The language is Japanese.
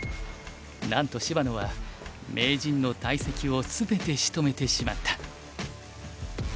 なんと芝野は名人の大石を全てしとめてしまった。